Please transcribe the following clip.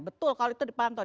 betul kalau itu dipantau